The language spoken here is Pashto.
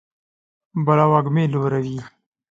بلا وږمې لوروي